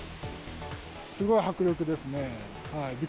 すごい迫力ですね。